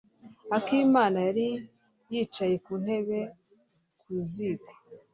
Akimana yari yicaye ku ntebe ku ziko.